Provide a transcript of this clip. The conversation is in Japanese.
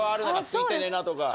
ツイてねえなとか。